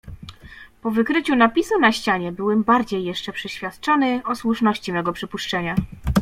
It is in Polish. "Po wykryciu napisu na ścianie byłem bardziej jeszcze przeświadczony o słuszności mego przypuszczenia."